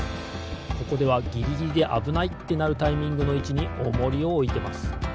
ここではギリギリであぶないってなるタイミングのいちにオモリをおいてます。